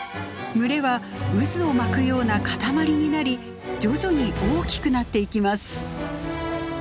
群れは渦を巻くような固まりになり徐々に大きくなっていきます。